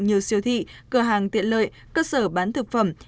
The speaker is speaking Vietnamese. nhiều siêu thị cửa hàng tiện lợi cơ sở bán thực phẩm